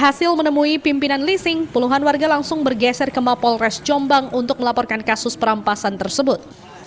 hasil menemui pimpinan leasing puluhan warga langsung bergeser ke mapol res jombang untuk melaporkan kasus perampasan tersebut